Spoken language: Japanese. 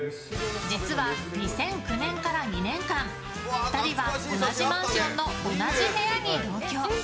実は２００９年から２年間２人は同じマンションの同じ部屋に同居。